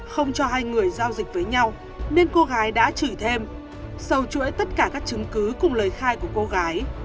không cho hai người giao dịch với nhau nên cô gái đã chửi thêm sâu chuỗi tất cả các chứng cứ cùng lời khai của cô gái